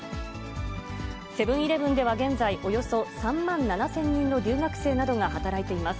セブンーイレブンでは現在、およそ３万７０００人の留学生などが働いています。